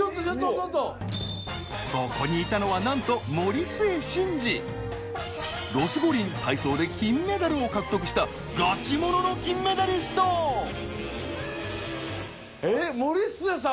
そこにいたのはなんとロス五輪体操で金メダルを獲得したガチものの金メダリストえっ森末さん？